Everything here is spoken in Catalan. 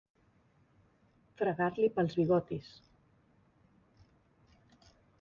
Fregar-li pels bigotis.